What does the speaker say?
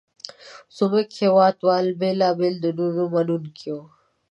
زموږ هېواد وال بېلابېل دینونه منونکي وو.